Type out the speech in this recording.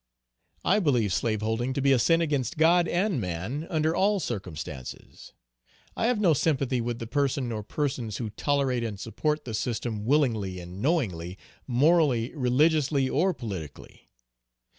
I believe slaveholding to be a sin against God and man under all circumstances. I have no sympathy with the person or persons who tolerate and support the system willingly and knowingly, morally, religiously or politically.